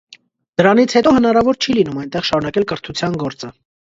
Դրանից հետո հնարավոր չի լինում այնտեղ շարունակել կրթության գործը։